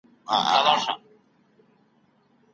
زموږ هېواد د نړیوالو روغتیایي اصولو له پلي کولو څخه شاته نه ځي.